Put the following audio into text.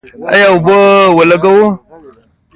آیا اوبه ولګوو؟